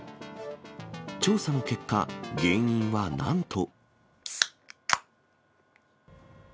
調査の結果、原因はなんと。